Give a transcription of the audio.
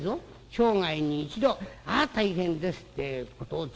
生涯に一度ああ大変ですってえことを使うんだ。